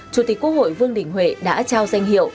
chủ tịch quốc hội vương đình huệ đã trao danh hiệu